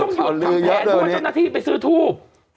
ตอนที่พี่หนุ่มอยู่ขับแผนตัวจริงหน้าที่ไปซื้อทูบ